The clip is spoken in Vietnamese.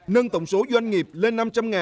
nâng tổng số doanh nghiệp lên năm trăm linh